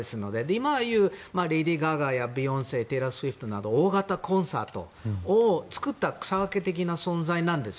今でいうレディー・ガガやビヨンセテイラー・スウィフトなど大型コンサートを作った草分け的な存在なんです。